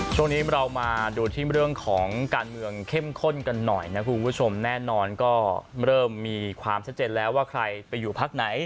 ช่วงนี้เรามาดูที่เรื่องของการเมืองเข้มข้นกันหน่อยนะคุณผู้ชมแน่นอนก็เริ่มมีความชัดเจนแล้วว่าใครไปอยู่พักไหน